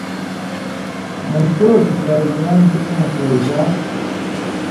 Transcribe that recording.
من چور ݜُو ڈائیگرام بِڅاں پورژا تُھو۔